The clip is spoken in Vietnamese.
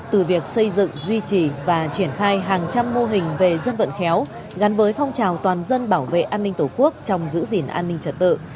từ việc xây dựng duy trì và triển khai hàng trăm mô hình về dân vận khéo gắn với phong trào toàn dân bảo vệ an ninh tổ quốc trong giữ gìn an ninh trật tự